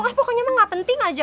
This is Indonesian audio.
eh pokoknya emang nggak penting aja